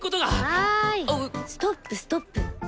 はいストップストップ！